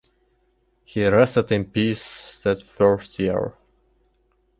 He rested in peace that first year.